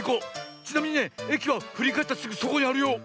ちなみにねえきはふりかえったすぐそこにあるよ。